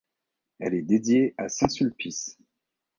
Elle est dédiée à saint Sulpice.